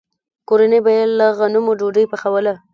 کورنۍ به یې له غنمو ډوډۍ پخوله.